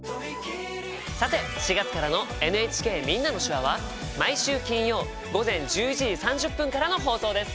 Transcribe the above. さて４月からの「ＮＨＫみんなの手話」は毎週金曜午前１１時３０分からの放送です。